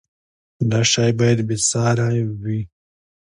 دا شی باید بې ساری وي.